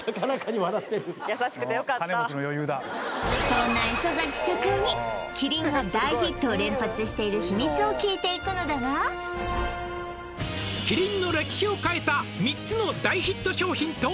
そんな磯崎社長にキリンが大ヒットを連発している秘密を聞いていくのだが「キリンの歴史を変えた３つの大ヒット商品と」